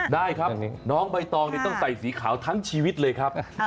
ได้ครับน้องใบตองต้องใส่สีขาวทั้งชีวิตเลยครับ